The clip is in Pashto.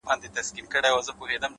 نه ‘نه محبوبي زما’